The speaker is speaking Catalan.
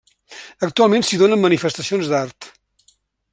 Actualment s'hi donen manifestacions d'art.